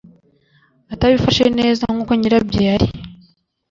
atabifashe neza nk uko nyirabyo yari